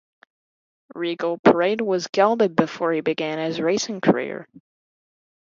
Regal Parade was gelded before he began his racing career.